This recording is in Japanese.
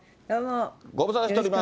ご無沙汰してます。